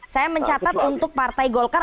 saya mencatat untuk partai golkar